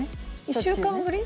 １週間ぶり？